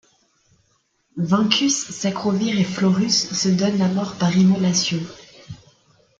Vaincus, Sacrovir et Florus se donnent la mort par immolation.